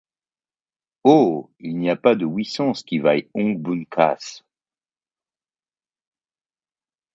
Oh ! il n’y ha pas de iouissance qui vaille ung bon caz.